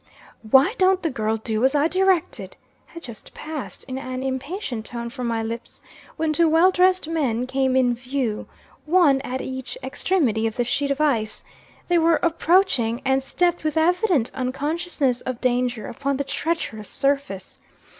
"Why don't the girl do as I directed?" had just passed, in an impatient tone, from my lips, when two well dressed men came in view, one at each extremity of the sheet of ice. They were approaching, and stepped with evident unconsciousness of danger, upon the treacherous surface.